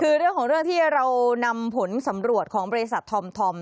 คือเรื่องของเรื่องที่เรานำผลสำรวจของบริษัทธอม